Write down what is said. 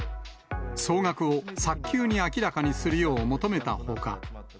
総額を早急に明らかにするよう求めたほか。